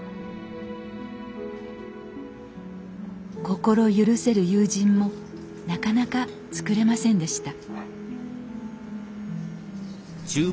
心許せる友人もなかなかつくれませんでした